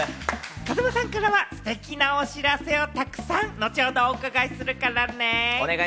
風間さんからはステキなお知らせをたくさん後ほどお伺いするからね。